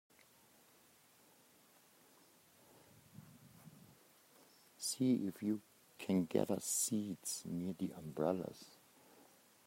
See if you can get us seats near the umbrellas.